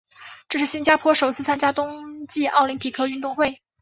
这是新加坡首次参加冬季奥林匹克运动会。